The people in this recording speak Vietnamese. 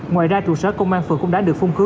ngoài ra trụ sở công an phường cũng đã được phung cứu